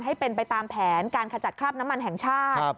ให้เป็นไปตามแผนการขจัดคราบน้ำมันแห่งชาติ